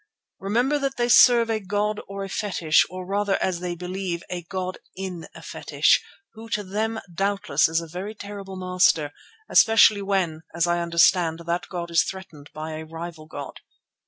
Remember that they serve a god or a fetish, or rather, as they believe, a god in a fetish, who to them doubtless is a very terrible master, especially when, as I understand, that god is threatened by a rival god."